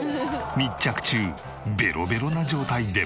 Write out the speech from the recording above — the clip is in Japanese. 密着中ベロベロな状態でも。